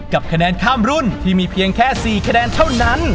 กับคะแนนข้ามรุ่นที่มีเพียงแค่๔คะแนนเท่านั้น